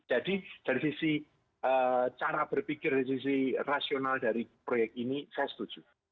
jadi dari sisi cara berpikir dari sisi rasional dari proyek ini saya setuju